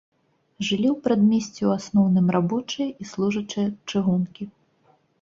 Жылі ў прадмесці ў асноўным рабочыя і служачыя чыгункі.